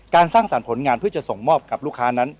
สร้างสรรค์ผลงานเพื่อจะส่งมอบกับลูกค้านั้น